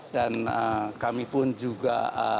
dan kami pun juga